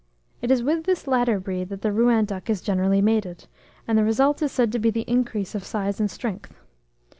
It is with this latter breed that the Rouen duck is generally mated; and the result is said to be increase of size and strength.